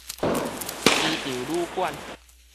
機場旅館